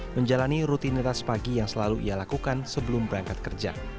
menjalani rutinitas pagi yang selalu ia lakukan sebelum berangkat kerja